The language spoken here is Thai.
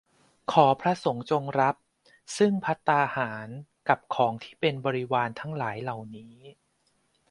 ขอพระสงฆ์จงรับ ซึ่งภัตตาหารกับของที่เป็นบริวารทั้งหลายเหล่านี้